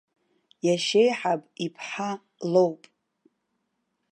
Иашьеиҳаб иԥҳа лоуп.